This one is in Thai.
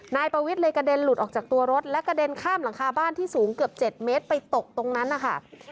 นายประวิทย์เลยกระเด็นหลุดออกจากตัวรถและกระเด็นข้ามหลังคาบ้านที่สูงเกือบ๗เมตรไปตกตรงนั้นนะคะ